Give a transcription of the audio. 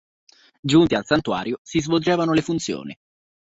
Giunti al santuario, si svolgevano le funzioni.